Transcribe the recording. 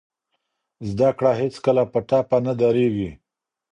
زده کړه هېڅکله په ټپه نه دریږي.